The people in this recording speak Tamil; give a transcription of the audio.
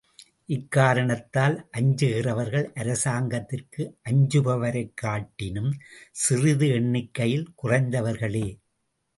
இக்காரணத்தால் அஞ்சுகிறவர்கள் அரசாங்கத்திற்கு அஞ்சுபவரைக் காட்டினும் சிறிது எண்ணிக்கையில் குறைந்தவர்களே!